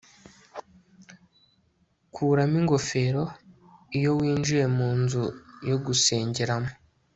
Kuramo ingofero iyo winjiye munzu yo gusengeramo